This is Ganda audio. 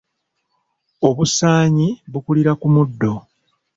Obusaanyi bukulira ku muddo.